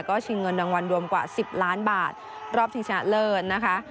ก็ชิงเงินรางวัลรวมกว่า๑๐ล้านบาทรอบชิงชนะเลิศนะคะ